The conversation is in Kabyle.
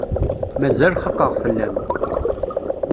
Mazal xaqeɣ fell-am.